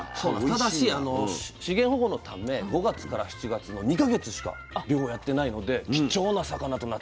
ただし資源保護のため５月から７月の２か月しか漁やってないので貴重な魚となっております。